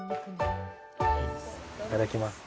いただきます。